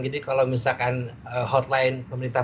jadi kalau misalkan hotline pemerintah